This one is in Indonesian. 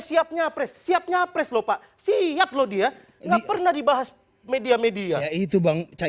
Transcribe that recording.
siap nyapres siap nyapres bopak siap lo dia enggak pernah dibahas media media itu bang cah